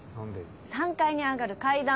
３階に上がる階段！